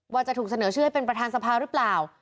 ว่าจะถูกเสนอชื่อให้เป็นประธานสภาหรือเปล่า